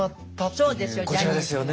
そうですよね。